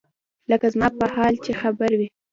لکه زما پر حال چې خبر وي.